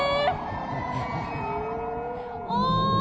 おい！